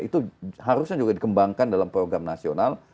itu harusnya juga dikembangkan dalam program nasional